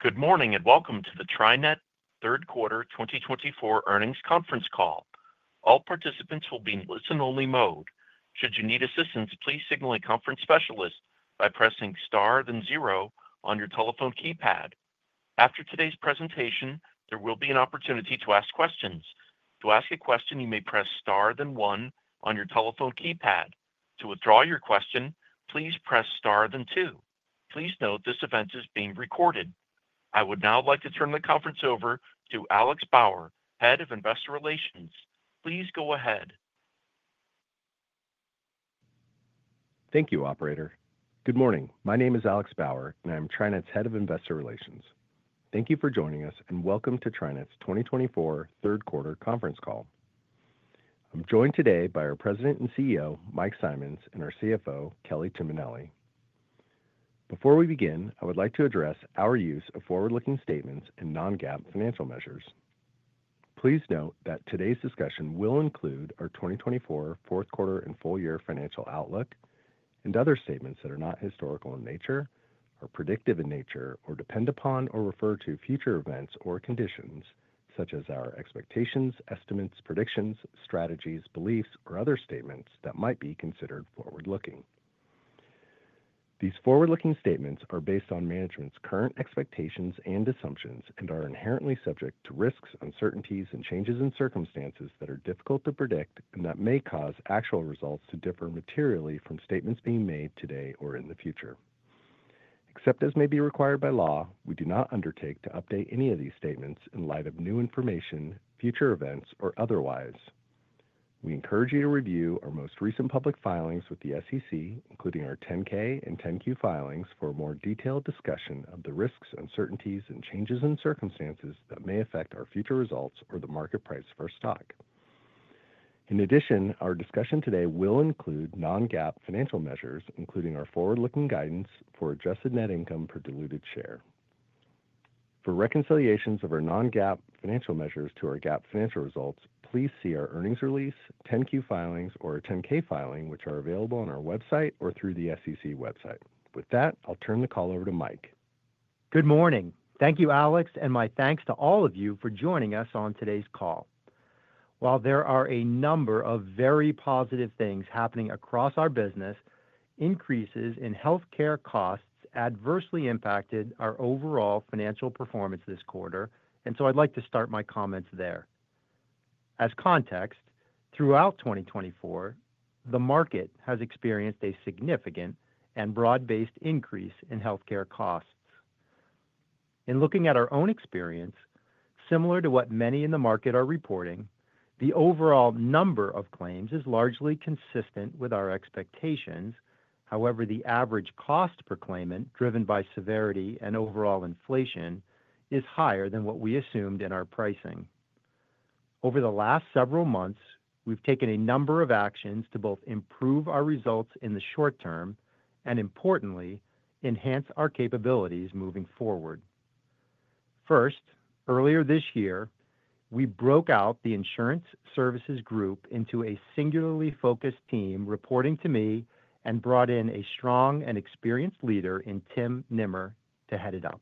Good morning, and welcome to the TriNet Third Quarter 2024 Earnings Conference Call. All participants will be in listen-only mode. Should you need assistance, please signal a conference specialist by pressing Star, then zero on your telephone keypad. After today's presentation, there will be an opportunity to ask questions. To ask a question, you may press Star, then one on your telephone keypad. To withdraw your question, please press Star, then two. Please note, this event is being recorded. I would now like to turn the conference over to Alex Bauer, Head of Investor Relations. Please go ahead. Thank you, operator. Good morning. My name is Alex Bauer, and I'm TriNet's Head of Investor Relations. Thank you for joining us, and welcome to TriNet's 2024 third quarter conference call. I'm joined today by our President and CEO, Mike Simonds, and our CFO, Kelly Tuminelli. Before we begin, I would like to address our use of forward-looking statements and Non-GAAP financial measures. Please note that today's discussion will include our 2024, fourth quarter, and full year financial outlook, and other statements that are not historical in nature, or predictive in nature, or depend upon or refer to future events or conditions, such as our expectations, estimates, predictions, strategies, beliefs, or other statements that might be considered forward-looking. These forward-looking statements are based on management's current expectations and assumptions and are inherently subject to risks, uncertainties, and changes in circumstances that are difficult to predict and that may cause actual results to differ materially from statements being made today or in the future. Except as may be required by law, we do not undertake to update any of these statements in light of new information, future events, or otherwise. We encourage you to review our most recent public filings with the SEC, including our 10-K and 10-Q filings, for a more detailed discussion of the risks, uncertainties, and changes in circumstances that may affect our future results or the market price of our stock. In addition, our discussion today will include Non-GAAP financial measures, including our forward-looking guidance for adjusted net income per diluted share. For reconciliations of our Non-GAAP financial measures to our GAAP financial results, please see our earnings release, 10-Q filings or 10-K filing, which are available on our website or through the SEC website. With that, I'll turn the call over to Mike. Good morning. Thank you, Alex, and my thanks to all of you for joining us on today's call. While there are a number of very positive things happening across our business, increases in healthcare costs adversely impacted our overall financial performance this quarter, and so I'd like to start my comments there. As context, throughout 2024, the market has experienced a significant and broad-based increase in healthcare costs. In looking at our own experience, similar to what many in the market are reporting, the overall number of claims is largely consistent with our expectations. However, the average cost per claimant, driven by severity and overall inflation, is higher than what we assumed in our pricing. Over the last several months, we've taken a number of actions to both improve our results in the short term and importantly, enhance our capabilities moving forward. First, earlier this year, we broke out the insurance services group into a singularly focused team reporting to me, and brought in a strong and experienced leader in Tim Nimmer to head it up.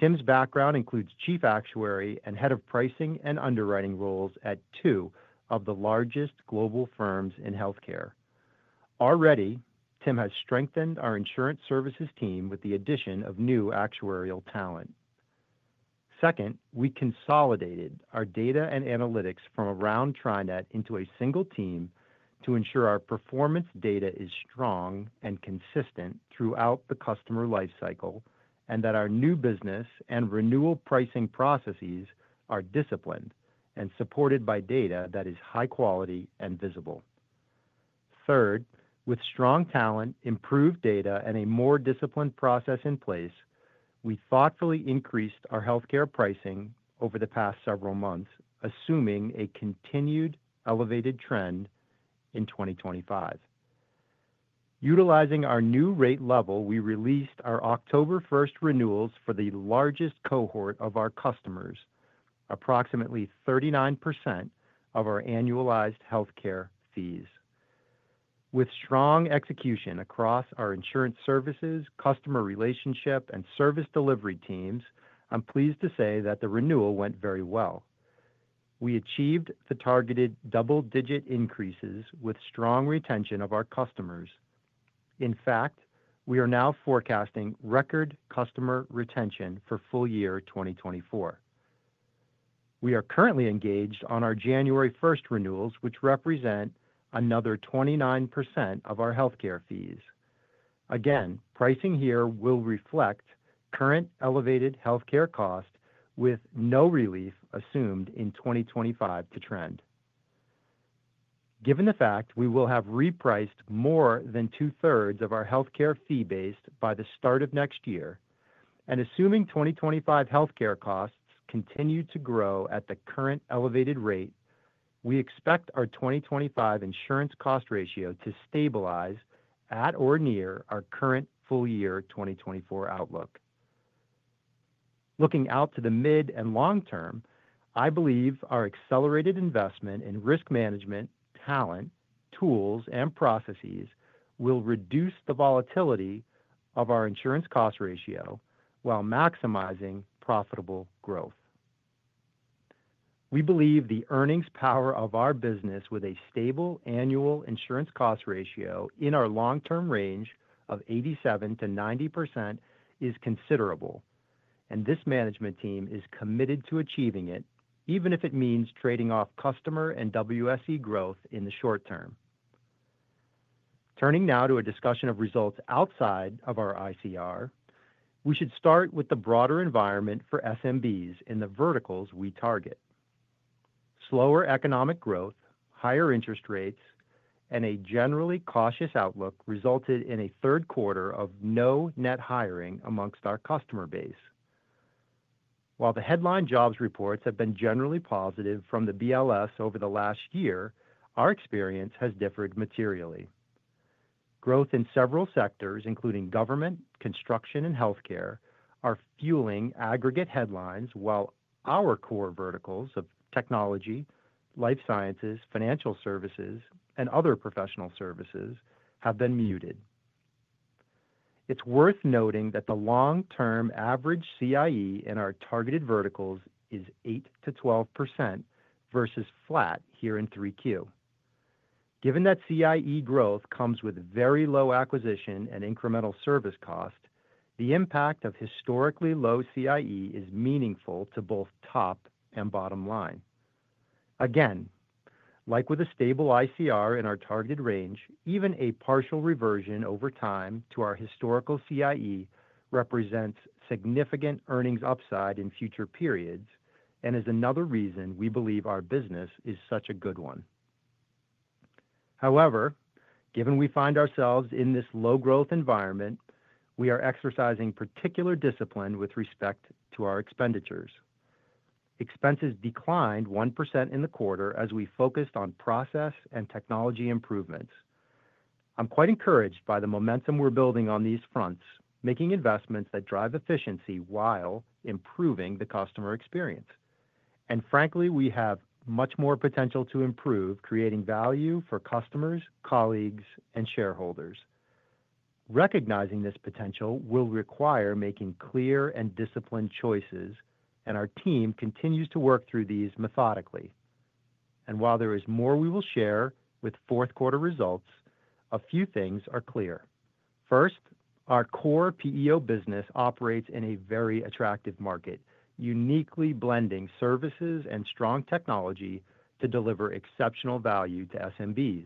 Tim's background includes chief actuary and head of pricing and underwriting roles at two of the largest global firms in healthcare. Already, Tim has strengthened our insurance services team with the addition of new actuarial talent. Second, we consolidated our data and analytics from around TriNet into a single team to ensure our performance data is strong and consistent throughout the customer lifecycle, and that our new business and renewal pricing processes are disciplined and supported by data that is high quality and visible. Third, with strong talent, improved data, and a more disciplined process in place, we thoughtfully increased our healthcare pricing over the past several months, assuming a continued elevated trend in 2025. Utilizing our new rate level, we released our October first renewals for the largest cohort of our customers, approximately 39% of our annualized healthcare fees. With strong execution across our insurance services, customer relationship, and service delivery teams, I'm pleased to say that the renewal went very well. We achieved the targeted double-digit increases with strong retention of our customers. In fact, we are now forecasting record customer retention for full year 2024. We are currently engaged on our January first renewals, which represent another 29% of our healthcare fees. Again, pricing here will reflect current elevated healthcare costs with no relief assumed in 2025 to trend. Given the fact we will have repriced more than two-thirds of our healthcare fee base by the start of next year, and assuming 2025 healthcare costs continue to grow at the current elevated rate, we expect our 2025 insurance cost ratio to stabilize at or near our current full year 2024 outlook. Looking out to the mid and long term, I believe our accelerated investment in risk management, talent, tools, and processes will reduce the volatility of our insurance cost ratio while maximizing profitable growth. We believe the earnings power of our business with a stable annual insurance cost ratio in our long-term range of 87%-90% is considerable, and this management team is committed to achieving it, even if it means trading off customer and WSE growth in the short term. Turning now to a discussion of results outside of our ICR, we should start with the broader environment for SMBs in the verticals we target. Slower economic growth, higher interest rates, and a generally cautious outlook resulted in a third quarter of no net hiring amongst our customer base. While the headline jobs reports have been generally positive from the BLS over the last year, our experience has differed materially. Growth in several sectors, including government, construction, and healthcare, are fueling aggregate headlines, while our core verticals of technology, life sciences, financial services, and other professional services have been muted. It's worth noting that the long-term average CIE in our targeted verticals is 8%-12% versus flat here in 3Q. Given that CIE growth comes with very low acquisition and incremental service cost, the impact of historically low CIE is meaningful to both top and bottom line. Again, like with a stable ICR in our targeted range, even a partial reversion over time to our historical CIE represents significant earnings upside in future periods and is another reason we believe our business is such a good one. However, given we find ourselves in this low-growth environment, we are exercising particular discipline with respect to our expenditures. Expenses declined 1% in the quarter as we focused on process and technology improvements. I'm quite encouraged by the momentum we're building on these fronts, making investments that drive efficiency while improving the customer experience. And frankly, we have much more potential to improve, creating value for customers, colleagues, and shareholders. Recognizing this potential will require making clear and disciplined choices, and our team continues to work through these methodically. And while there is more we will share with fourth quarter results, a few things are clear. First, our core PEO business operates in a very attractive market, uniquely blending services and strong technology to deliver exceptional value to SMBs.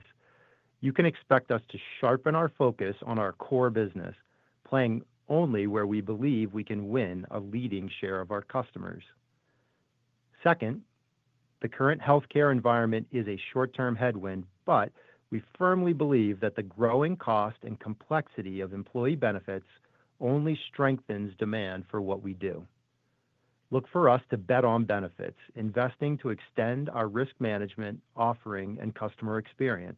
You can expect us to sharpen our focus on our core business, playing only where we believe we can win a leading share of our customers. Second, the current healthcare environment is a short-term headwind, but we firmly believe that the growing cost and complexity of employee benefits only strengthens demand for what we do. Look for us to bet on benefits, investing to extend our risk management offering and customer experience.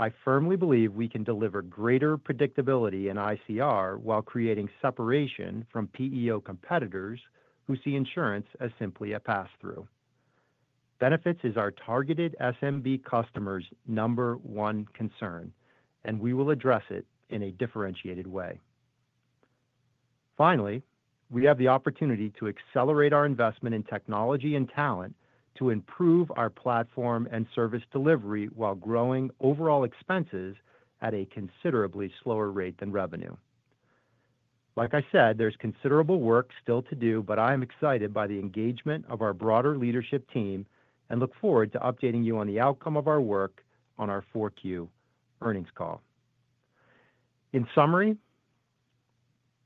I firmly believe we can deliver greater predictability in ICR while creating separation from PEO competitors who see insurance as simply a pass-through. Benefits is our targeted SMB customers' number one concern, and we will address it in a differentiated way. Finally, we have the opportunity to accelerate our investment in technology and talent to improve our platform and service delivery while growing overall expenses at a considerably slower rate than revenue. Like I said, there's considerable work still to do, but I am excited by the engagement of our broader leadership team and look forward to updating you on the outcome of our work on our Q4 earnings call. In summary,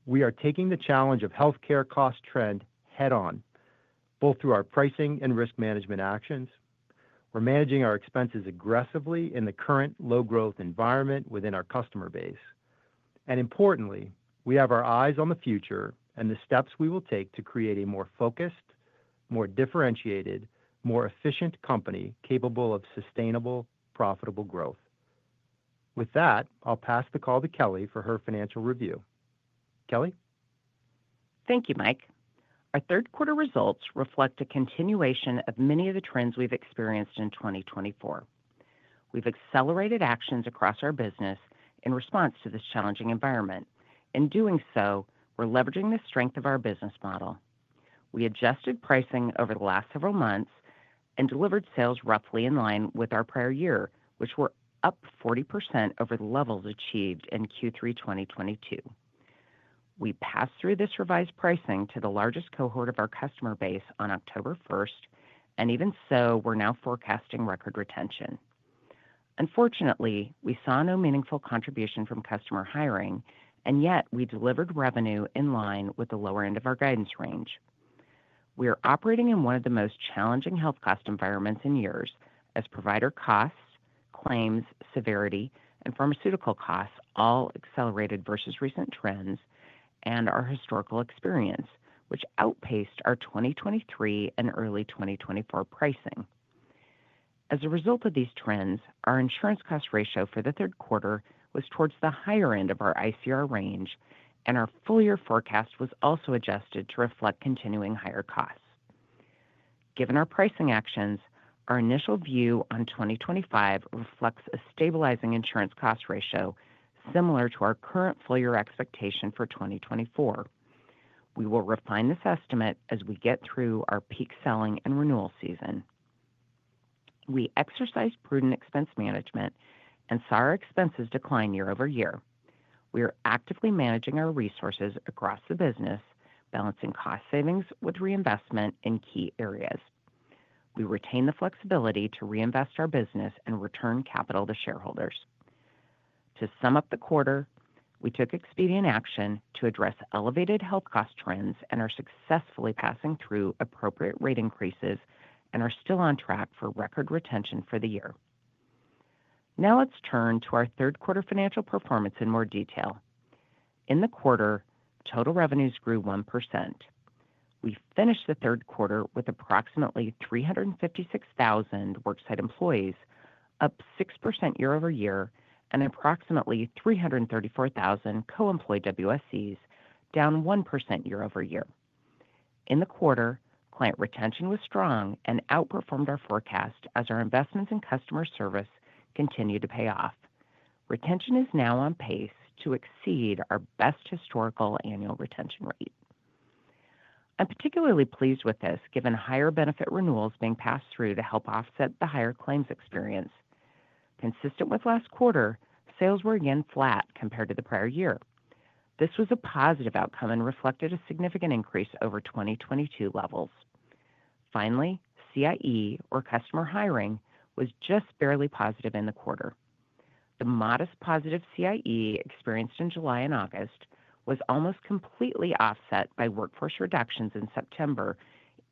we are taking the challenge of healthcare cost trend head on, both through our pricing and risk management actions. We're managing our expenses aggressively in the current low-growth environment within our customer base, and importantly, we have our eyes on the future and the steps we will take to create a more focused, more differentiated, more efficient company capable of sustainable, profitable growth. With that, I'll pass the call to Kelly for her financial review. Kelly? Thank you, Mike. Our third quarter results reflect a continuation of many of the trends we've experienced in 2024. We've accelerated actions across our business in response to this challenging environment. In doing so, we're leveraging the strength of our business model. We adjusted pricing over the last several months and delivered sales roughly in line with our prior year, which were up 40% over the levels achieved in Q3 2022. We passed through this revised pricing to the largest cohort of our customer base on October first, and even so, we're now forecasting record retention. Unfortunately, we saw no meaningful contribution from customer hiring, and yet we delivered revenue in line with the lower end of our guidance range. We are operating in one of the most challenging health cost environments in years as provider costs, claims, severity, and pharmaceutical costs all accelerated versus recent trends and our historical experience, which outpaced our 2023 and early 2024 pricing. As a result of these trends, our insurance cost ratio for the third quarter was towards the higher end of our ICR range, and our full year forecast was also adjusted to reflect continuing higher costs. Given our pricing actions, our initial view on 2025 reflects a stabilizing insurance cost ratio similar to our current full-year expectation for 2024. We will refine this estimate as we get through our peak selling and renewal season. We exercised prudent expense management and saw our expenses decline year-over-year. We are actively managing our resources across the business, balancing cost savings with reinvestment in key areas. We retain the flexibility to reinvest our business and return capital to shareholders. To sum up the quarter, we took expedient action to address elevated health cost trends and are successfully passing through appropriate rate increases and are still on track for record retention for the year. Now let's turn to our third quarter financial performance in more detail. In the quarter, total revenues grew 1%. We finished the third quarter with approximately 356,000 worksite employees, up 6% year-over-year, and approximately 334,000 co-employed WSEs, down 1% year-over-year. In the quarter, client retention was strong and outperformed our forecast as our investments in customer service continued to pay off. Retention is now on pace to exceed our best historical annual retention rate. I'm particularly pleased with this, given higher benefit renewals being passed through to help offset the higher claims experience. Consistent with last quarter, sales were again flat compared to the prior year. This was a positive outcome and reflected a significant increase over 2022 levels. Finally, CIE, or customer hiring, was just barely positive in the quarter. The modest positive CIE experienced in July and August was almost completely offset by workforce reductions in September,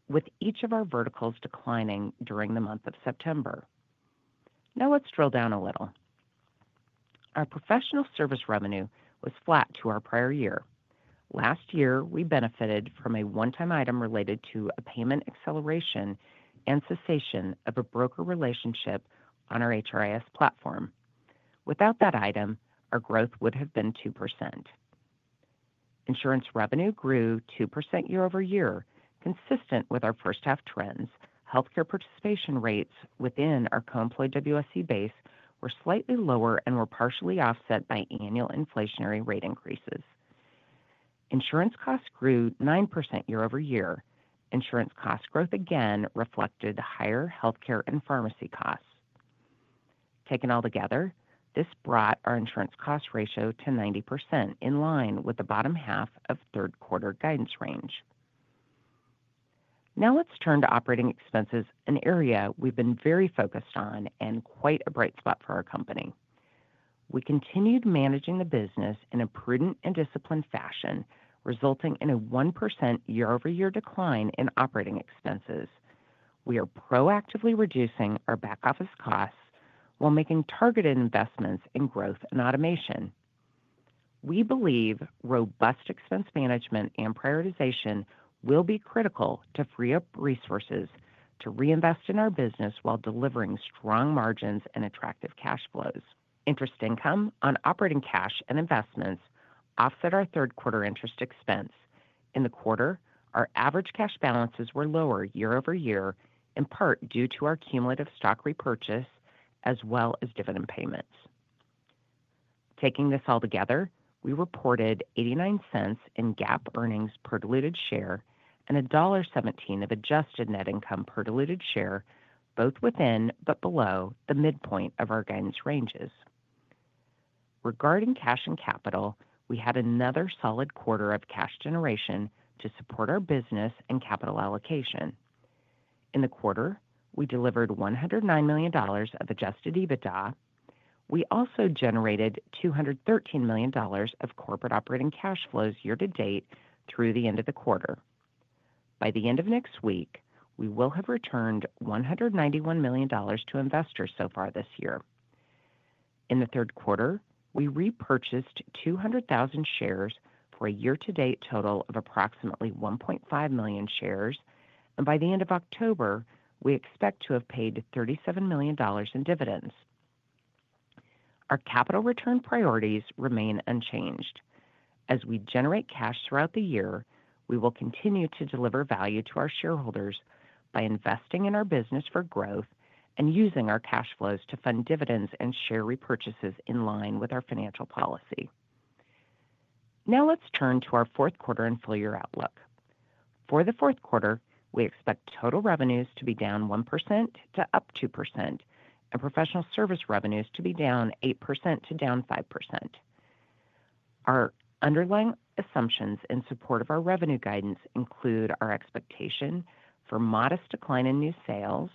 with each of our verticals declining during the month of September. Now let's drill down a little. Our professional service revenue was flat to our prior year. Last year, we benefited from a one-time item related to a payment acceleration and cessation of a broker relationship on our HRIS platform. Without that item, our growth would have been 2%. Insurance revenue grew 2% year-over-year, consistent with our first half trends. Healthcare participation rates within our co-employed WSE base were slightly lower and were partially offset by annual inflationary rate increases. Insurance costs grew 9% year-over-year. Insurance cost growth again reflected higher healthcare and pharmacy costs. Taken altogether, this brought our insurance cost ratio to 90%, in line with the bottom half of third quarter guidance range. Now let's turn to operating expenses, an area we've been very focused on and quite a bright spot for our company. We continued managing the business in a prudent and disciplined fashion, resulting in a 1% year-over-year decline in operating expenses. We are proactively reducing our back-office costs while making targeted investments in growth and automation. We believe robust expense management and prioritization will be critical to free up resources to reinvest in our business while delivering strong margins and attractive cash flows. Interest income on operating cash and investments offset our third quarter interest expense. In the quarter, our average cash balances were lower year-over-year, in part due to our cumulative stock repurchase as well as dividend payments. Taking this all together, we reported $0.89 in GAAP earnings per diluted share and $1.17 of adjusted net income per diluted share, both within but below the midpoint of our guidance ranges. Regarding cash and capital, we had another solid quarter of cash generation to support our business and capital allocation. In the quarter, we delivered $109 million of Adjusted EBITDA. We also generated $213 million of corporate operating cash flows year to date through the end of the quarter. By the end of next week, we will have returned $191 million to investors so far this year. In the third quarter, we repurchased 200,000 shares for a year-to-date total of approximately 1.5 million shares, and by the end of October, we expect to have paid $37 million in dividends. Our capital return priorities remain unchanged. As we generate cash throughout the year, we will continue to deliver value to our shareholders by investing in our business for growth and using our cash flows to fund dividends and share repurchases in line with our financial policy. Now let's turn to our fourth quarter and full-year outlook. For the fourth quarter, we expect total revenues to be down 1% to up 2% and professional service revenues to be down 8% to down 5%. Our underlying assumptions in support of our revenue guidance include our expectation for modest decline in new sales,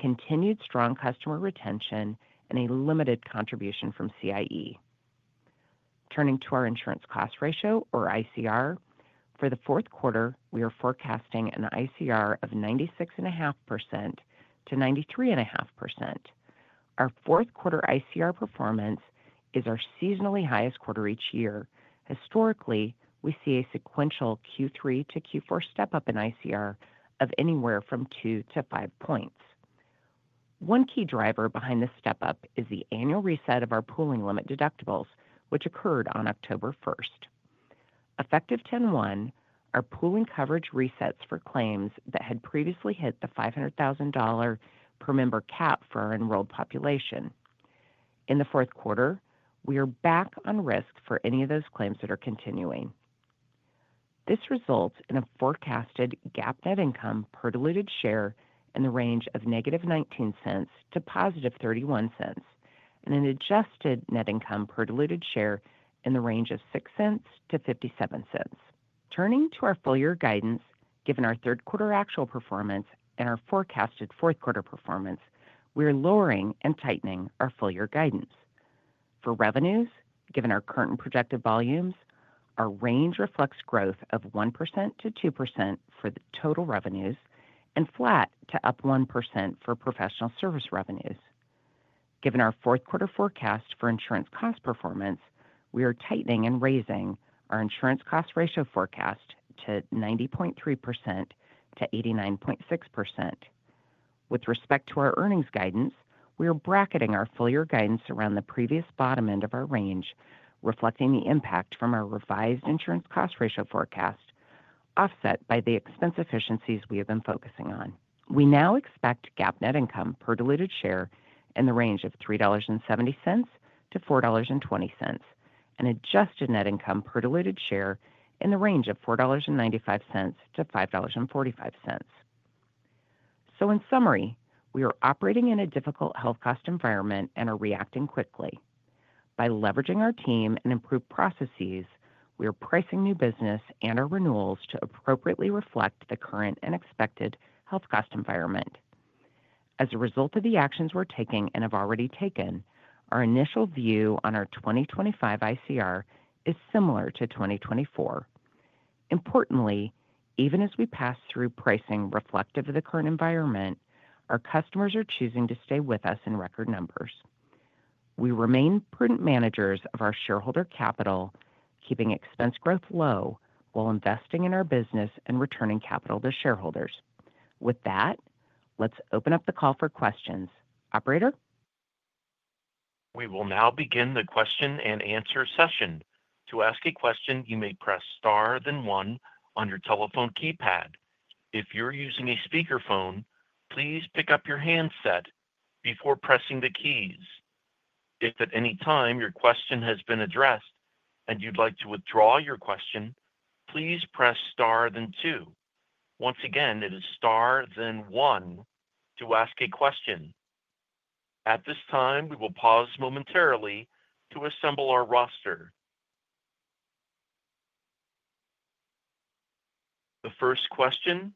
continued strong customer retention, and a limited contribution from CIE. Turning to our insurance cost ratio or ICR, for the fourth quarter, we are forecasting an ICR of 96.5%-93.5%. Our fourth quarter ICR performance is our seasonally highest quarter each year. Historically, we see a sequential Q3 to Q4 step-up in ICR of anywhere from two to five points. One key driver behind this step-up is the annual reset of our pooling limit deductibles, which occurred on October first. Effective 10/1, our pooling coverage resets for claims that had previously hit the $500,000 per member cap for our enrolled population. In the fourth quarter, we are back on risk for any of those claims that are continuing. This results in a forecasted GAAP net income per diluted share in the range of -$0.19 to $0.31, and an adjusted net income per diluted share in the range of $0.06-$0.57. Turning to our full-year guidance, given our third quarter actual performance and our forecasted fourth quarter performance, we are lowering and tightening our full-year guidance. For revenues, given our current projected volumes, our range reflects growth of 1%-2% for the total revenues, and flat to up 1% for professional service revenues. Given our fourth quarter forecast for insurance cost performance, we are tightening and raising our insurance cost ratio forecast to 90.3%-89.6%. With respect to our earnings guidance, we are bracketing our full year guidance around the previous bottom end of our range, reflecting the impact from our revised insurance cost ratio forecast, offset by the expense efficiencies we have been focusing on. We now expect GAAP net income per diluted share in the range of $3.70-$4.20, and adjusted net income per diluted share in the range of $4.95-$5.45. So in summary, we are operating in a difficult health cost environment and are reacting quickly. By leveraging our team and improved processes, we are pricing new business and our renewals to appropriately reflect the current and expected health cost environment. As a result of the actions we're taking and have already taken, our initial view on our 2025 ICR is similar to 2024. Importantly, even as we pass through pricing reflective of the current environment, our customers are choosing to stay with us in record numbers. We remain prudent managers of our shareholder capital, keeping expense growth low while investing in our business and returning capital to shareholders. With that, let's open up the call for questions. Operator? We will now begin the question-and-answer session. To ask a question, you may press star, then one on your telephone keypad. If you're using a speakerphone, please pick up your handset before pressing the keys. If at any time your question has been addressed and you'd like to withdraw your question, please press star, then two. Once again, it is star, then one to ask a question. At this time, we will pause momentarily to assemble our roster. The first question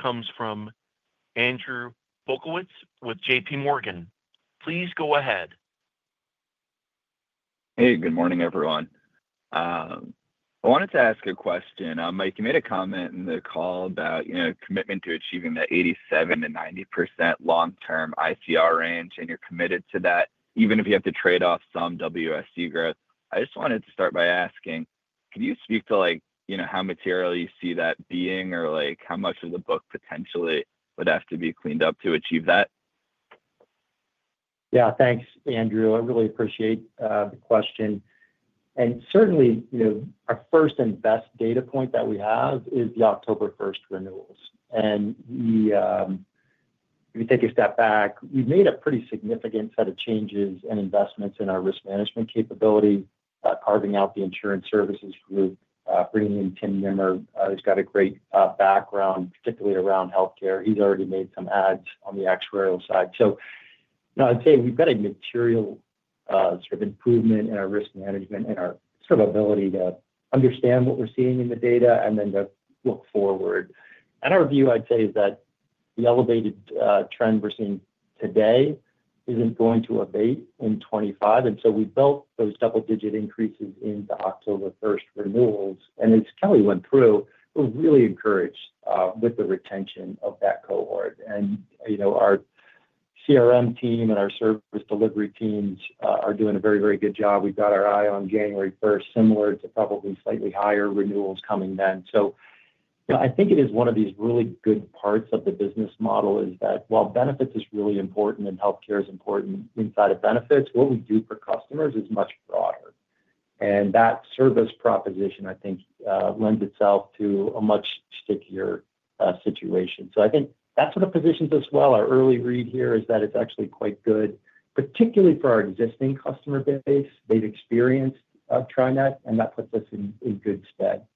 comes from Andrew Polkowitz with J.P. Morgan. Please go ahead. Hey, good morning, everyone. I wanted to ask a question. You made a comment in the call about, you know, commitment to achieving that 87%-90% long-term ICR range, and you're committed to that, even if you have to trade off some WSE growth. I just wanted to start by asking: Can you speak to, like, you know, how material you see that being, or like, how much of the book potentially would have to be cleaned up to achieve that? Yeah, thanks, Andrew. I really appreciate the question. And certainly, you know, our first and best data point that we have is the October first renewals. And we, if you take a step back, we've made a pretty significant set of changes and investments in our risk management capability, carving out the insurance services group, bringing in Tim Nimmer. He's got a great background, particularly around healthcare. He's already made some adds on the actuarial side. So I'd say we've got a material sort of improvement in our risk management and our sort of ability to understand what we're seeing in the data and then to look forward. And our view, I'd say, is that the elevated trend we're seeing today isn't going to abate in 2025, and so we built those double-digit increases into October first renewals. As Kelly went through, we're really encouraged with the retention of that cohort. You know, our CRM team and our service delivery teams are doing a very, very good job. We've got our eye on January first, similar to probably slightly higher renewals coming then. I think it is one of these really good parts of the business model, is that while benefits is really important and healthcare is important inside of benefits, what we do for customers is much broader. That service proposition, I think, lends itself to a much stickier situation. I think that sort of positions as well. Our early read here is that it's actually quite good, particularly for our existing customer base. They've experienced TriNet, and that puts us in good stead.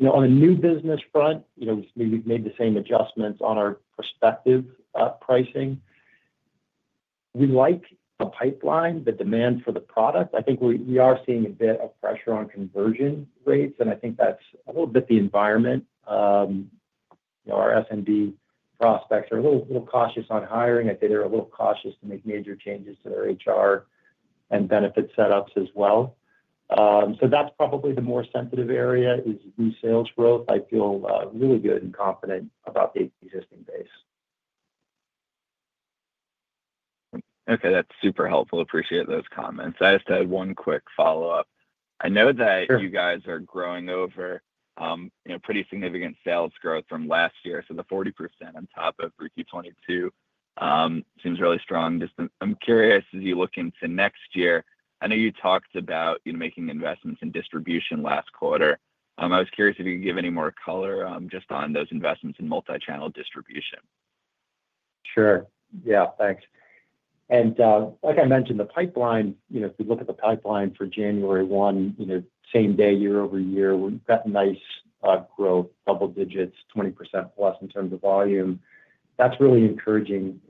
You know, on a new business front, you know, we've made the same adjustments on our prospective pricing. We like the pipeline, the demand for the product. I think we are seeing a bit of pressure on conversion rates, and I think that's a little bit the environment. You know, our SMB prospects are a little cautious on hiring. I'd say they're a little cautious to make major changes to their HR and benefit setups as well. So that's probably the more sensitive area, is the sales growth. I feel really good and confident about the existing base. Okay, that's super helpful. Appreciate those comments. I just had one quick follow-up. Sure. I know that you guys are growing over, you know, pretty significant sales growth from last year. So the 40% on top of Q 2022 seems really strong. Just, I'm curious, as you look into next year, I know you talked about, you know, making investments in distribution last quarter. I was curious if you could give any more color just on those investments in multichannel distribution. Sure. Yeah, thanks. And like I mentioned, the pipeline, you know, if you look at the pipeline for January one, you know, same day, year-over-year, we've got nice growth, double digits, 20%+ in terms of volume. That's really encouraging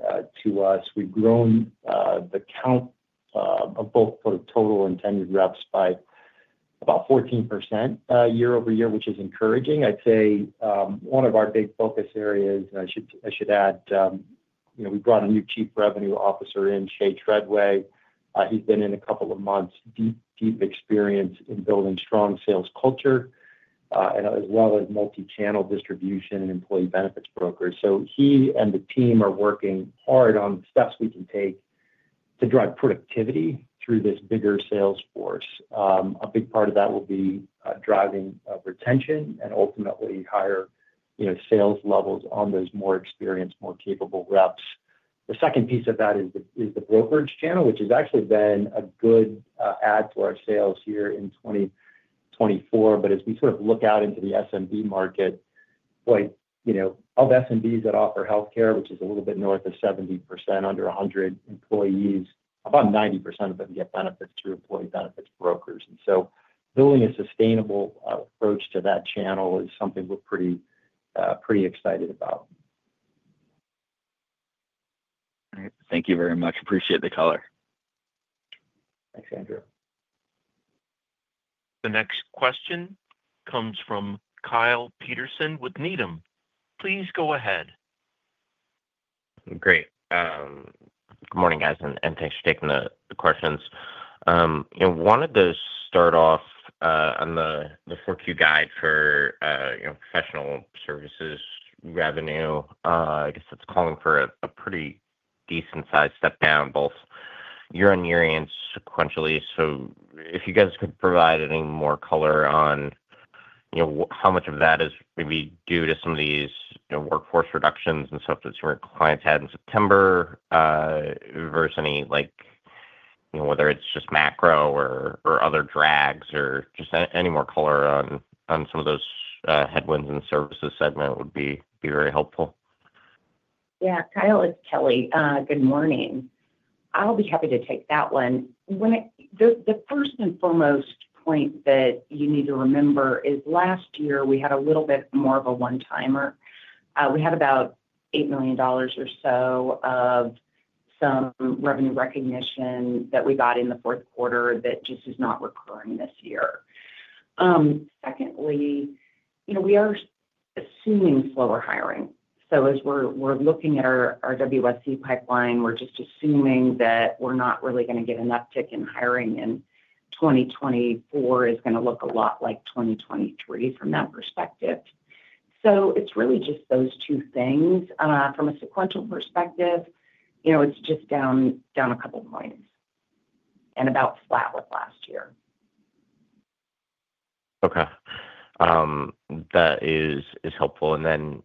to us. We've grown the count of both for the total intended reps by about 14% year-over-year, which is encouraging. I'd say one of our big focus areas. I should add, you know, we brought a new Chief Revenue Officer in, Shea Treadway. He's been in a couple of months. Deep, deep experience in building strong sales culture and as well as multichannel distribution and employee benefits brokers. So he and the team are working hard on steps we can take to drive productivity through this bigger sales force. A big part of that will be driving retention and ultimately higher, you know, sales levels on those more experienced, more capable reps. The second piece of that is the brokerage channel, which has actually been a good add to our sales here in 2024. But as we sort of look out into the SMB market, like, you know, of SMBs that offer healthcare, which is a little bit north of 70%, under 100 employees, about 90% of them get benefits through employee benefits brokers. And so building a sustainable approach to that channel is something we're pretty excited about. All right. Thank you very much. Appreciate the color. Thanks, Andrew. The next question comes from Kyle Peterson with Needham. Please go ahead. Great. Good morning, guys, and thanks for taking the questions. You know, wanted to start off on the 4Q guide for, you know, professional services revenue. I guess it's calling for a pretty decent-sized step down, both year on year and sequentially. So if you guys could provide any more color on, you know, how much of that is maybe due to some of these, you know, workforce reductions and stuff that your clients had in September, versus any, like, you know, whether it's just macro or other drags or just any more color on some of those headwinds in the services segment would be very helpful. Yeah, Kyle, it's Kelly. Good morning. I'll be happy to take that one. The first and foremost point that you need to remember is last year we had a little bit more of a one-timer. We had about $8 million or so of some revenue recognition that we got in the fourth quarter that just is not recurring this year. Secondly, you know, we are assuming slower hiring. So as we're looking at our WSE pipeline, we're just assuming that we're not really gonna get an uptick in hiring, and 2024 is gonna look a lot like 2023 from that perspective. So it's really just those two things. From a sequential perspective, you know, it's just down a couple points, and about flat with last year. Okay. That is helpful. And then,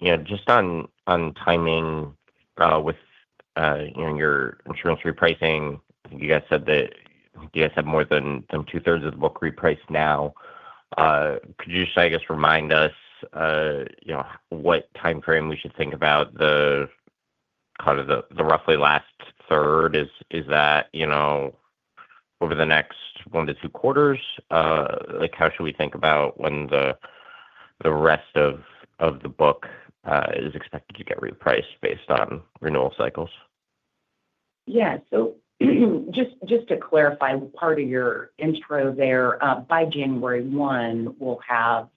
you know, just on timing, with, you know, your insurance repricing, you guys said that you guys have more than some two-thirds of the book repriced now. Could you just, I guess, remind us, you know, what time frame we should think about the kind of the roughly last third? Is that, you know, over the next one to two quarters? Like, how should we think about when the rest of the book is expected to get repriced based on renewal cycles? Yeah. So, just, just to clarify part of your intro there, by January one, we'll have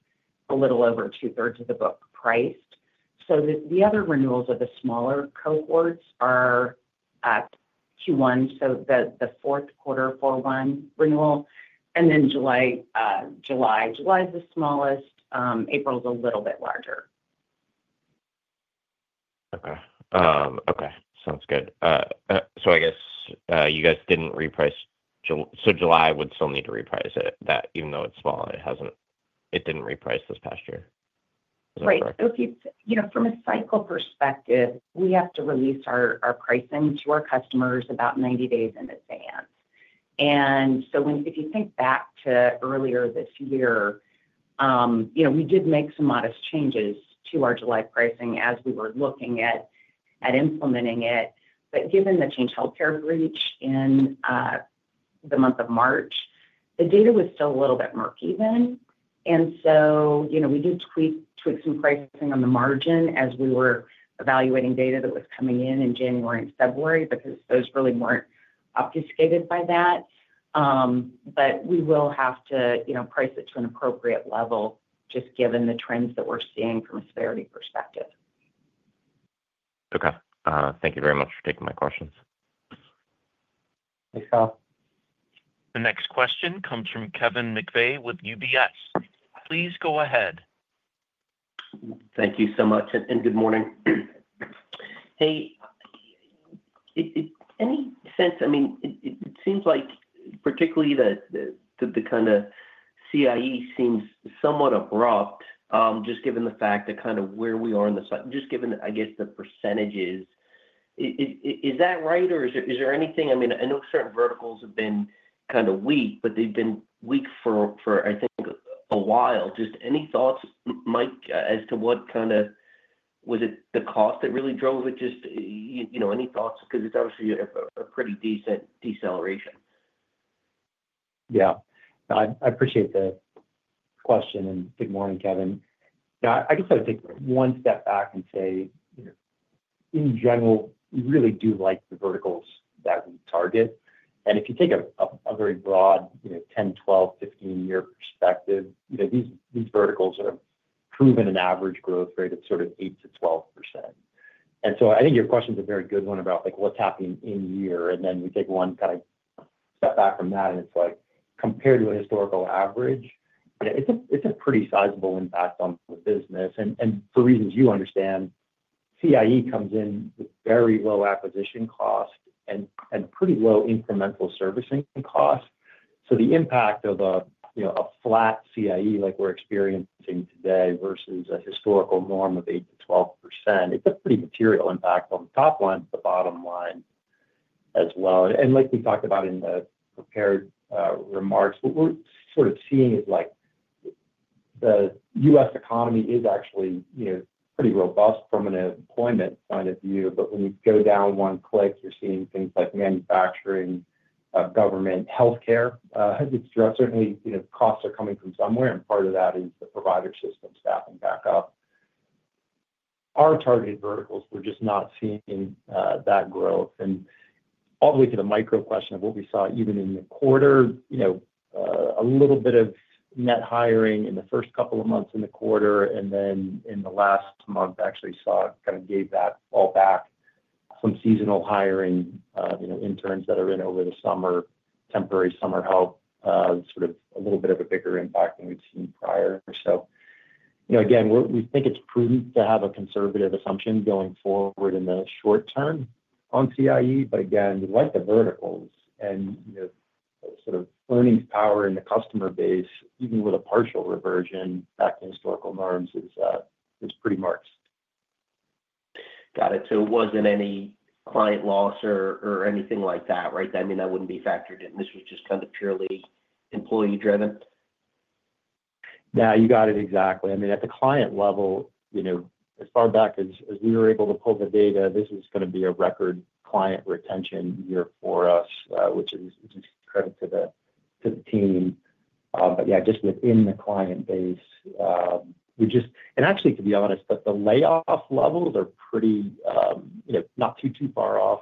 a little over two-thirds of the book priced. So the other renewals of the smaller cohorts are at Q1, so the fourth quarter, 4/1 renewal, and then July, July. July is the smallest, April's a little bit larger. Okay. Okay, sounds good. So I guess you guys didn't reprice July. So July would still need to reprice it, that even though it's small, it hasn't, it didn't reprice this past year. Is that correct? Right, so you know, from a cycle perspective, we have to release our pricing to our customers about ninety days in advance, and so if you think back to earlier this year, you know, we did make some modest changes to our July pricing as we were looking at implementing it, but given the Change Healthcare breach in the month of March, the data was still a little bit murky then, and so, you know, we did tweak some pricing on the margin as we were evaluating data that was coming in in January and February, because those really weren't obfuscated by that, but we will have to, you know, price it to an appropriate level, just given the trends that we're seeing from a severity perspective.... Okay, thank you very much for taking my questions. Thanks, Kyle. The next question comes from Kevin McVeigh with UBS. Please go ahead. Thank you so much, and good morning. Hey, any sense? I mean, it seems like particularly the kind of CIE seems somewhat abrupt, just given the fact that kind of where we are in the cycle, just given, I guess, the percentages. Is that right, or is there anything? I mean, I know certain verticals have been kind of weak, but they've been weak for, I think, a while. Just any thoughts, Mike, as to what kind of? Was it the cost that really drove it? Just, you know, any thoughts? Because it's obviously a pretty decent deceleration. Yeah. I appreciate the question, and good morning, Kevin. Yeah, I guess I'd take one step back and say, you know, in general, we really do like the verticals that we target. And if you take a very broad, you know, ten, twelve, fifteen-year perspective, you know, these verticals have proven an average growth rate of sort of 8%-12%. And so I think your question is a very good one about, like, what's happening in year, and then we take one kind of step back from that, and it's like, compared to a historical average, it's a pretty sizable impact on the business. And for reasons you understand, CIE comes in with very low acquisition costs and pretty low incremental servicing costs. So the impact of, you know, a flat CIE like we're experiencing today versus a historical norm of 8%-12%, it's a pretty material impact on the top line, the bottom line as well. And like we talked about in the prepared remarks, what we're sort of seeing is like, the U.S. economy is actually, you know, pretty robust from an employment point of view. But when you go down one click, you're seeing things like manufacturing, government, healthcare, has been stressed. Certainly, you know, costs are coming from somewhere, and part of that is the provider system staffing back up. Our targeted verticals, we're just not seeing that growth. And all the way to the micro question of what we saw even in the quarter, you know, a little bit of net hiring in the first couple of months in the quarter, and then in the last month, actually saw it kind of gave that all back, some seasonal hiring, you know, interns that are in over the summer, temporary summer help, sort of a little bit of a bigger impact than we've seen prior. So, you know, again, we, we think it's prudent to have a conservative assumption going forward in the short term on CIE, but again, we like the verticals and, you know, the sort of earnings power in the customer base, even with a partial reversion back to historical norms, is, is pretty marked. Got it. So it wasn't any client loss or anything like that, right? I mean, that wouldn't be factored in. This was just kind of purely employee driven. Yeah, you got it exactly. I mean, at the client level, you know, as far back as we were able to pull the data, this is gonna be a record client retention year for us, which is credit to the team. But yeah, just within the client base. And actually, to be honest, that the layoff levels are pretty, you know, not too far off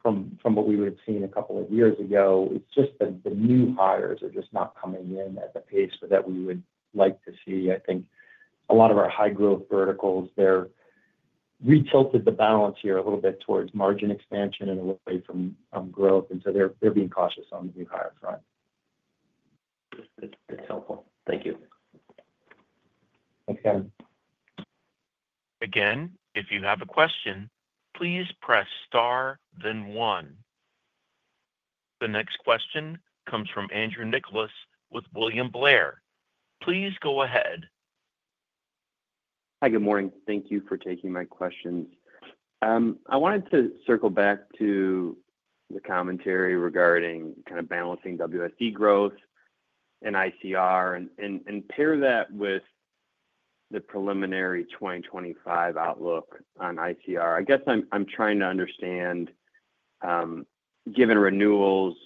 from what we would have seen a couple of years ago. It's just that the new hires are just not coming in at the pace that we would like to see. I think a lot of our high-growth verticals, they're. We tilted the balance here a little bit towards margin expansion and away from growth, and so they're being cautious on the new hire front. That's, that's helpful. Thank you. Thanks, Kevin. Again, if you have a question, please press Star, then One. The next question comes from Andrew Nicholas with William Blair. Please go ahead. Hi, good morning. Thank you for taking my questions. I wanted to circle back to the commentary regarding kind of balancing WSE growth and ICR and pair that with the preliminary 2025 outlook on ICR. I guess I'm trying to understand, given renewals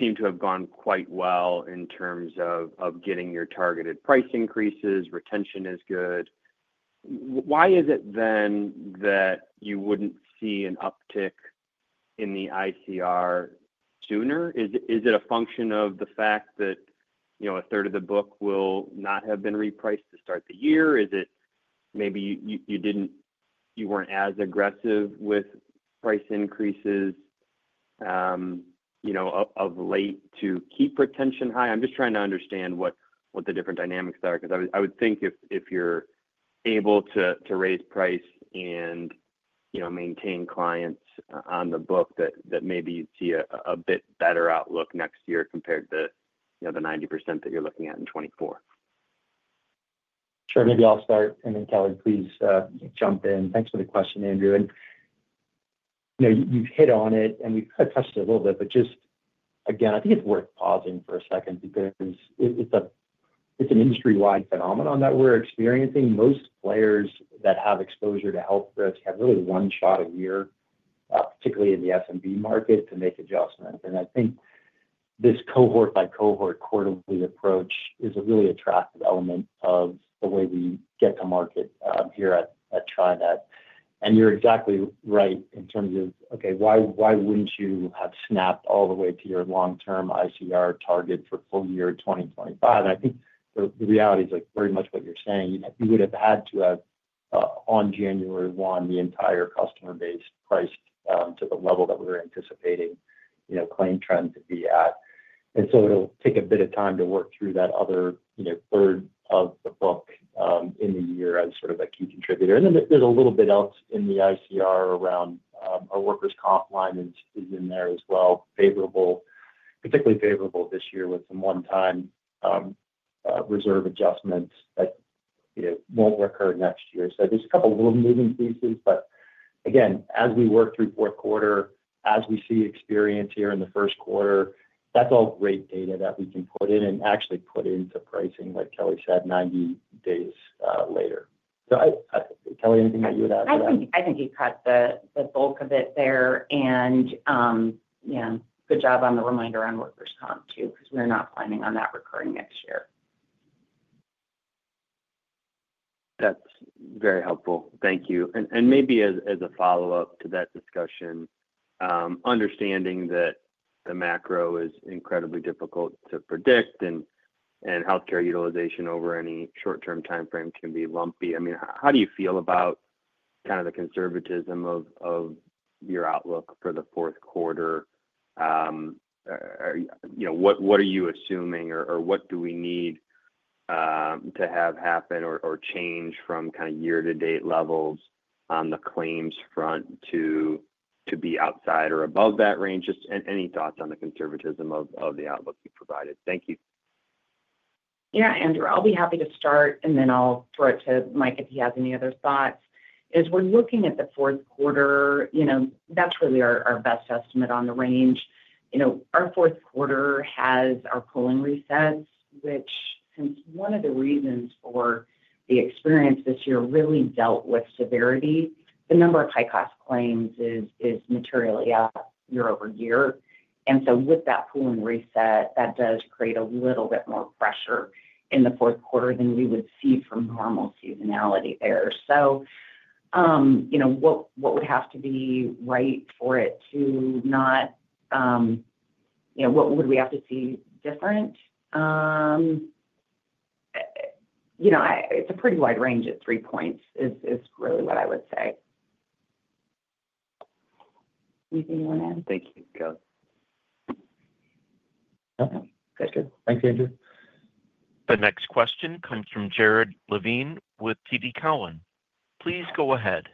seem to have gone quite well in terms of getting your targeted price increases, retention is good, why is it then that you wouldn't see an uptick in the ICR sooner? Is it a function of the fact that, you know, a third of the book will not have been repriced to start the year? Is it maybe you didn't-- you weren't as aggressive with price increases, you know, of late to keep retention high? I'm just trying to understand what the different dynamics are, because I would think if you're able to raise price and, you know, maintain clients on the book, that maybe you'd see a bit better outlook next year compared to, you know, the 90% that you're looking at in 2024. Sure. Maybe I'll start, and then, Kelly, please, jump in. Thanks for the question, Andrew, and you know, you've hit on it, and we've kind of touched it a little bit, but just again, I think it's worth pausing for a second because it, it's an industry-wide phenomenon that we're experiencing. Most players that have exposure to health risks have really one shot a year, particularly in the SMB market, to make adjustments. And I think this cohort-by-cohort quarterly approach is a really attractive element of the way we get to market, here at TriNet. And you're exactly right in terms of, okay, why, why wouldn't you have snapped all the way to your long-term ICR target for full year 2025? And I think the reality is, like, very much what you're saying. You would have had to have on January one, the entire customer base priced to the level that we're anticipating. You know, claim trends to be at. And so it'll take a bit of time to work through that other, you know, third of the book in the year as sort of a key contributor. And then there's a little bit else in the ICR around our workers' comp line is in there as well, favorable. Particularly favorable this year with some one-time reserve adjustments that, you know, won't recur next year. So there's a couple of little moving pieces, but again, as we work through fourth quarter, as we see experience here in the first quarter, that's all great data that we can put in and actually put into pricing, like Kelly said, ninety days later. So, Kelly, anything that you would add to that? I think you caught the bulk of it there, and yeah, good job on the reminder on Workers' Comp, too, 'cause we're not planning on that recurring next year. That's very helpful. Thank you. And maybe as a follow-up to that discussion, understanding that the macro is incredibly difficult to predict, and healthcare utilization over any short-term timeframe can be lumpy. I mean, how do you feel about kind of the conservatism of your outlook for the fourth quarter? You know, what are you assuming, or what do we need to have happen or change from kind of year-to-date levels on the claims front to be outside or above that range? Just any thoughts on the conservatism of the outlook you provided. Thank you. Yeah, Andrew, I'll be happy to start, and then I'll throw it to Mike if he has any other thoughts. As we're looking at the fourth quarter, you know, that's really our best estimate on the range. You know, our fourth quarter has our pooling resets, which, since one of the reasons for the experience this year really dealt with severity, the number of high-cost claims is materially up year-over-year. And so with that pooling reset, that does create a little bit more pressure in the fourth quarter than we would see from normal seasonality there. So, you know, what would have to be right for it to not... You know, what would we have to see different? You know, it's a pretty wide range at three points, is really what I would say. Anything you wanna add? Thank you. Go. Okay. That's good. Thanks, Andrew. The next question comes from Jared Levine with TD Cowen. Please go ahead.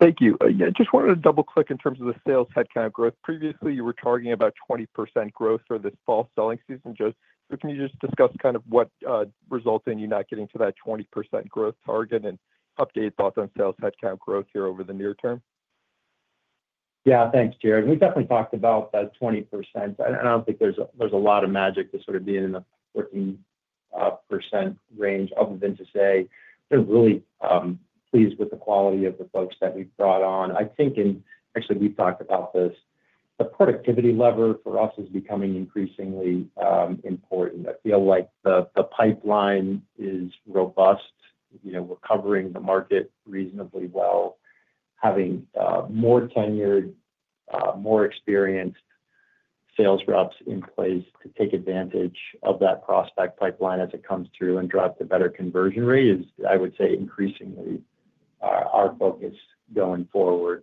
Thanks. Thank you. I just wanted to double-click in terms of the sales headcount growth. Previously, you were targeting about 20% growth for this fall selling season. Just, so can you just discuss kind of what resulted in you not getting to that 20% growth target, and update thoughts on sales headcount growth here over the near term? Yeah, thanks, Jared. We definitely talked about that 20%, and I don't think there's a lot of magic to sort of being in the 14% range other than to say we're really pleased with the quality of the folks that we've brought on. Actually, we've talked about this, the productivity lever for us is becoming increasingly important. I feel like the pipeline is robust. You know, we're covering the market reasonably well, having more tenured more experienced sales reps in place to take advantage of that prospect pipeline as it comes through and drive the better conversion rate is, I would say, increasingly our focus going forward.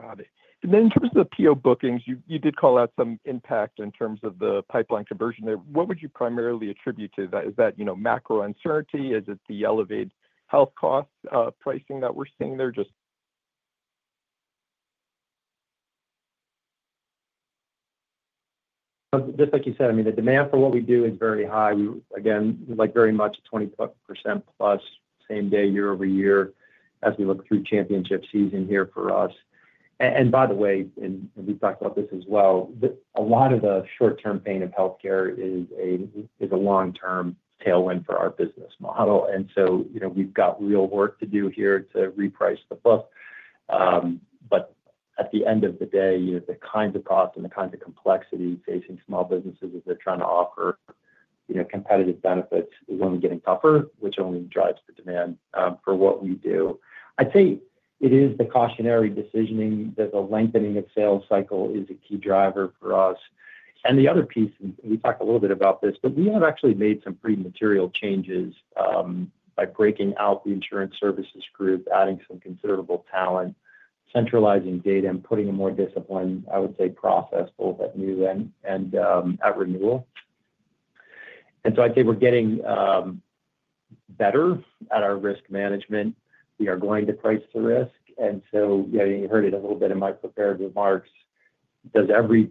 Got it. And then in terms of the PEO bookings, you did call out some impact in terms of the pipeline conversion there. What would you primarily attribute to that? Is that, you know, macro uncertainty? Is it the elevated health cost pricing that we're seeing there? Just- Just like you said, I mean, the demand for what we do is very high. We, again, like very much 20%+, same day year-over-year, as we look through championship season here for us. And by the way, we've talked about this as well, a lot of the short-term pain in healthcare is a long-term tailwind for our business model, and so, you know, we've got real work to do here to reprice the book. But at the end of the day, you know, the kinds of costs and the kinds of complexity facing small businesses as they're trying to offer, you know, competitive benefits is only getting tougher, which only drives the demand for what we do. I'd say it is the cautionary decisioning, that the lengthening of sales cycle is a key driver for us. And the other piece, and we talked a little bit about this, but we have actually made some pretty material changes by breaking out the insurance services group, adding some considerable talent, centralizing data, and putting a more disciplined, I would say, process both at new and at renewal. And so I'd say we're getting better at our risk management. We are going to price the risk, and so, yeah, you heard it a little bit in my prepared remarks. Does every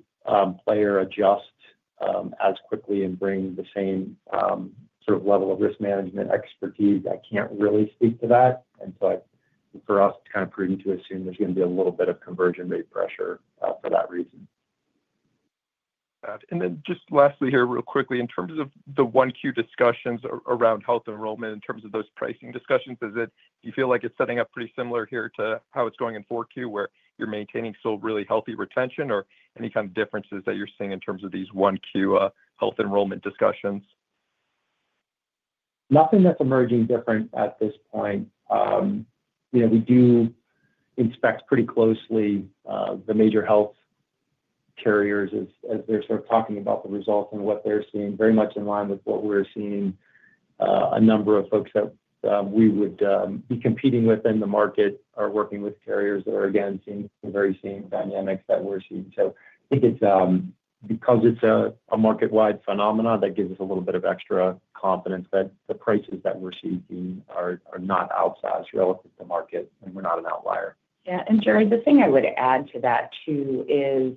player adjust as quickly and bring the same sort of level of risk management expertise? I can't really speak to that, and so for us, kind of prudent to assume there's gonna be a little bit of conversion rate pressure for that reason. Got it. And then just lastly here, real quickly, in terms of the 1Q discussions around health enrollment, in terms of those pricing discussions, is it, do you feel like it's setting up pretty similar here to how it's going in 4Q, where you're maintaining still really healthy retention, or any kind of differences that you're seeing in terms of these 1Q health enrollment discussions? Nothing that's emerging different at this point. You know, we do inspect pretty closely the major health carriers as they're sort of talking about the results and what they're seeing, very much in line with what we're seeing. A number of folks that we would be competing with in the market are working with carriers that are, again, seeing the very same dynamics that we're seeing. So I think it's because it's a market-wide phenomenon that gives us a little bit of extra confidence that the prices that we're seeing are not outsized relative to market, and we're not an outlier. Yeah, and Jared, the thing I would add to that, too, is,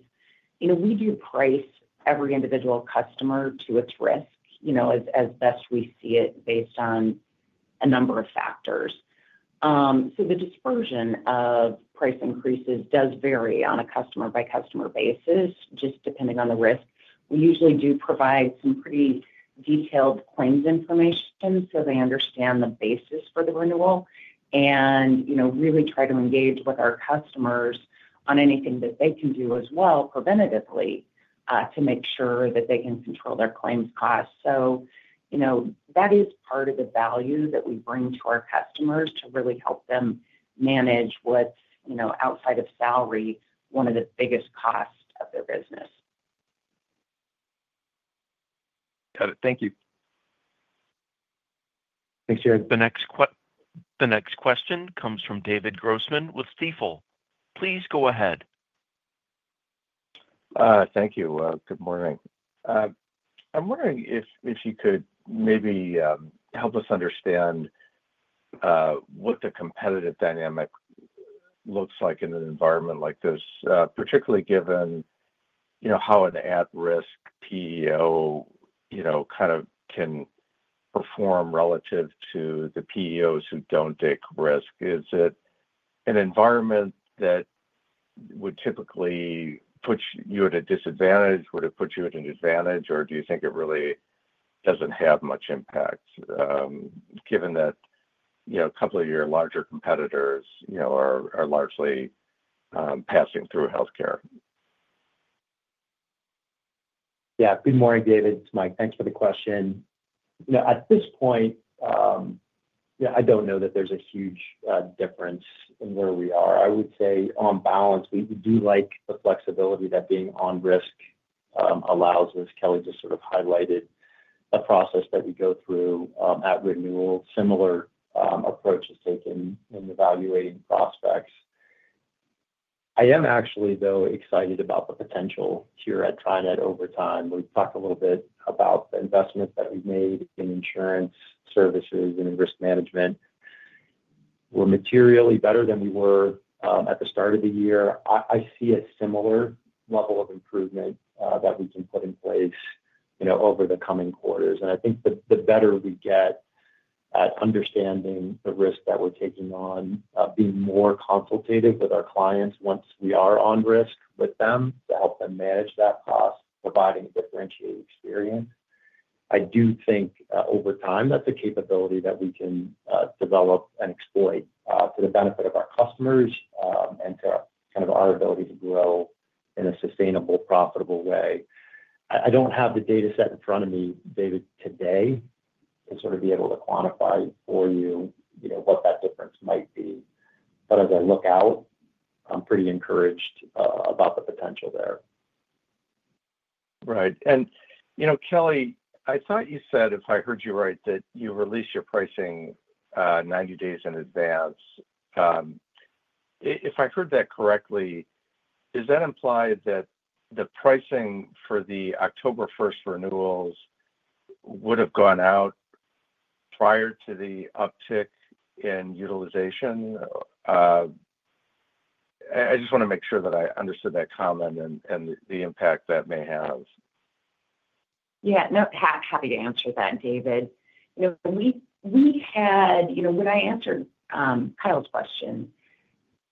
you know, we do price every individual customer to its risk, you know, as, as best we see it, based on a number of factors. So the dispersion of price increases does vary on a customer-by-customer basis, just depending on the risk. We usually do provide some pretty detailed claims information so they understand the basis for the renewal, and, you know, really try to engage with our customers on anything that they can do as well, preventatively, to make sure that they can control their claims costs. So, you know, that is part of the value that we bring to our customers to really help them manage what's, you know, outside of salary, one of the biggest costs of their business. Got it. Thank you. Thanks, Jerry. The next question comes from David Grossman with Stifel. Please go ahead. Thank you. Good morning. I'm wondering if you could maybe help us understand what the competitive dynamic looks like in an environment like this, particularly given, you know, how an at-risk PEO, you know, kind of can perform relative to the PEOs who don't take risk. Is it an environment that would typically put you at a disadvantage? Would it put you at an advantage, or do you think it really doesn't have much impact, given that, you know, a couple of your larger competitors, you know, are largely passing through healthcare? Yeah. Good morning, David. It's Mike. Thanks for the question. You know, at this point, yeah, I don't know that there's a huge difference in where we are. I would say, on balance, we do like the flexibility that being on risk allows us. Kelly just sort of highlighted a process that we go through at renewal. Similar approach is taken in evaluating prospects. I am actually, though, excited about the potential here at TriNet over time. We've talked a little bit about the investments that we've made in insurance services and in risk management. We're materially better than we were at the start of the year. I see a similar level of improvement that we can put in place, you know, over the coming quarters. And I think the better we get at understanding the risk that we're taking on, being more consultative with our clients once we are on risk with them, to help them manage that cost, providing a differentiated experience, I do think over time that's a capability that we can develop and exploit to the benefit of our customers, and to kind of our ability to grow in a sustainable, profitable way. I don't have the dataset in front of me, David, today, to sort of be able to quantify for you, you know, what that difference might be. But as I look out, I'm pretty encouraged about the potential there. Right. And you know, Kelly, I thought you said, if I heard you right, that you release your pricing 90 days in advance. If I heard that correctly, does that imply that the pricing for the October first renewals would have gone out prior to the uptick in utilization? I just wanna make sure that I understood that comment and the impact that may have. Yeah, no, happy to answer that, David. You know, we had. You know, when I answered Kyle's question,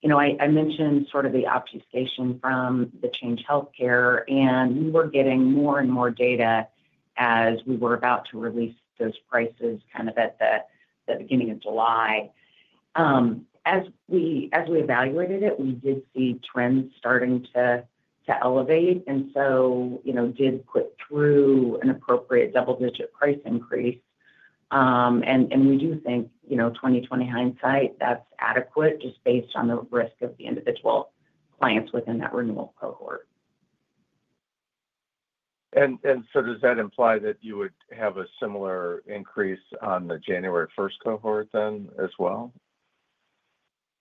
you know, I mentioned sort of the obfuscation from the Change Healthcare, and we were getting more and more data as we were about to release those prices, kind of at the beginning of July. As we evaluated it, we did see trends starting to elevate, and so, you know, did put through an appropriate double-digit price increase. And we do think, you know, 20/20 hindsight, that's adequate, just based on the risk of the individual clients within that renewal cohort. Does that imply that you would have a similar increase on the January first cohort then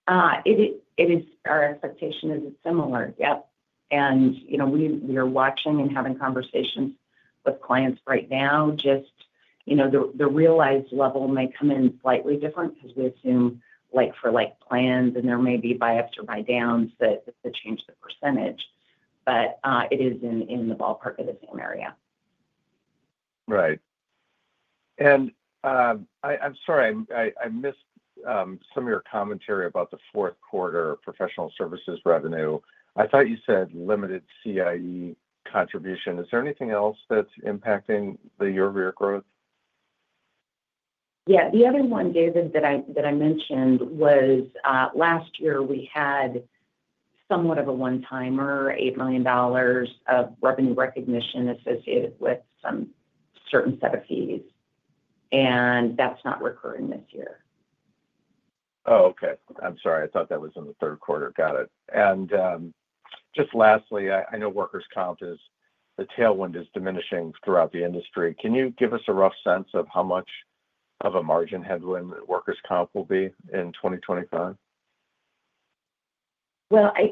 as well? It is our expectation that it's similar. Yep, and you know, we are watching and having conversations with clients right now, just you know, the realized level may come in slightly different, 'cause we assume like-for-like plans, and there may be buy-ups or buy-downs that change the percentage, but it is in the ballpark of the same area. Right. And, I'm sorry, I missed some of your commentary about the fourth quarter professional services revenue. I thought you said limited CIE contribution. Is there anything else that's impacting the year-over-year growth? Yeah. The other one, David, that I mentioned, was last year we had somewhat of a one-timer, $8 million of revenue recognition associated with some certain set of fees, and that's not recurring this year. ... Oh, okay. I'm sorry, I thought that was in the third quarter. Got it. And, just lastly, I know workers' comp is the tailwind is diminishing throughout the industry. Can you give us a rough sense of how much of a margin headwind workers' comp will be in 2025?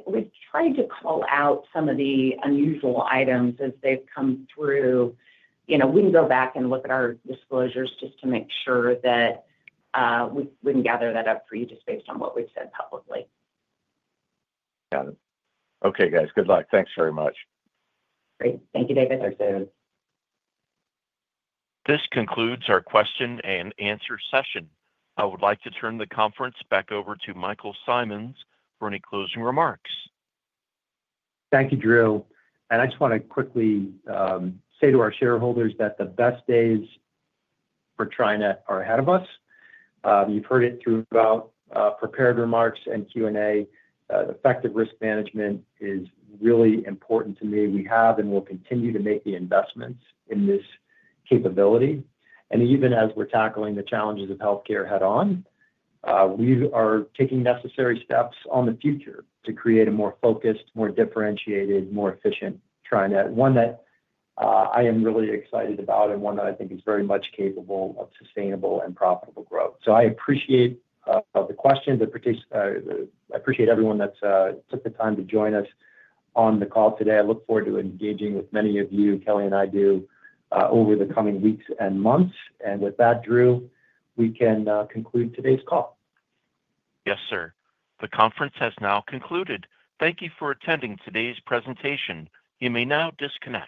We've tried to call out some of the unusual items as they've come through. You know, we can go back and look at our disclosures just to make sure that we can gather that up for you just based on what we've said publicly. Got it. Okay, guys. Good luck. Thanks very much. Great. Thank you, David. This concludes our question-and-answer session. I would like to turn the conference back over to Mike Simonds for any closing remarks. Thank you, Drew. I just want to quickly say to our shareholders that the best days for TriNet are ahead of us. You've heard it throughout prepared remarks and Q&A, effective risk management is really important to me. We have and will continue to make the investments in this capability. Even as we're tackling the challenges of healthcare head-on, we are taking necessary steps on the future to create a more focused, more differentiated, more efficient TriNet. One that I am really excited about and one that I think is very much capable of sustainable and profitable growth. I appreciate the questions. I appreciate everyone that took the time to join us on the call today. I look forward to engaging with many of you, Kelly and I do, over the coming weeks and months. And with that, Drew, we can conclude today's call. Yes, sir. The conference has now concluded. Thank you for attending today's presentation. You may now disconnect.